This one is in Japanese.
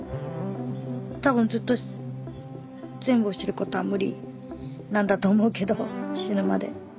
多分ずっと全部を知ることは無理なんだと思うけど死ぬまで。